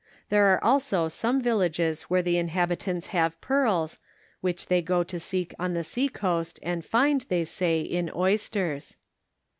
There are also some villages where the inhabitants have pearls, which they go to seek on the seacoast and find, they say, in oysters.